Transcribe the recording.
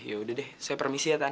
ya udah deh saya permisi ya kan